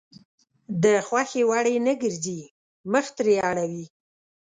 د خوښې وړ يې نه ګرځي مخ ترې اړوي.